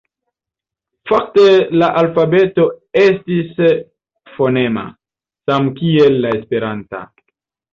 Fakte la alfabeto estis fonema, samkiel la esperanta.